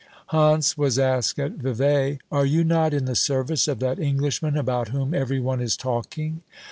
Hantz was asked at Vevey : "Are you not in the service of that Englishman about whom every one is talking?"